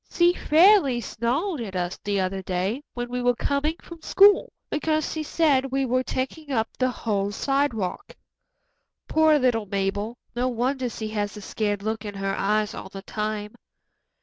"She fairly snarled at us the other day, when we were coming from school, because she said we were taking up the whole sidewalk. Poor little Mabel, no wonder she has a scared look in her eyes all the time."